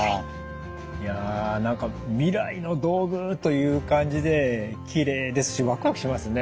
いや何か未来の道具という感じできれいですしワクワクしますね。